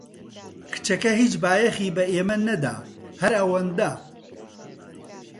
کچەکە هیچ بایەخی بە ئێمە نەدا، هەر ئەوەندە.